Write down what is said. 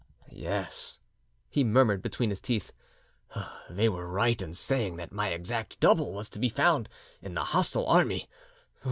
"Yes," he murmured between his teeth, "they were right in saying that my exact double was to be found in the hostile army